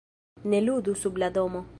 "Ne ludu sub la domo!"